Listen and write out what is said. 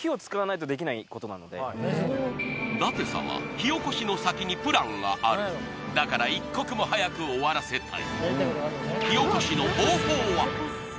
火おこしの先にプランがあるだから一刻も早く終わらせたい